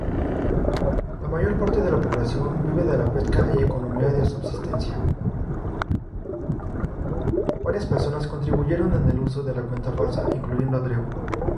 Varias personas contribuyeron en el uso de la cuenta falsa, incluyendo a Drew.